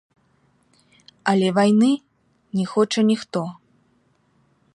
Але вайны не хоча ніхто.